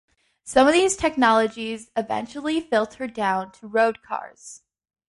Some of these technologies eventually filter down to road cars.